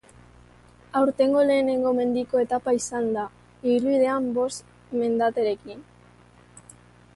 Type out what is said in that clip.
Aurtengo lehenengo mendiko etapa izan da, ibilbidean bost mendaterekin.